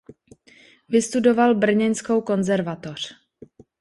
Vystudoval brněnskou konzervatoř.